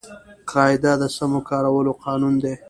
قاعده د سمو کارولو قانون دئ.